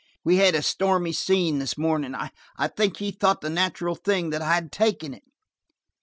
We had a stormy scene, this morning. I think he thought the natural thing–that I had taken it."